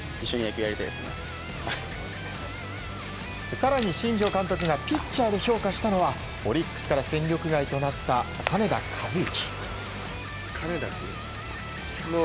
更に新庄監督がピッチャーで評価したのはオリックスから戦力外となった金田和之。